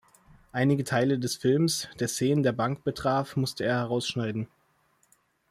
Einige Teile des Films, der Szenen der Bank betraf, musste er herausschneiden.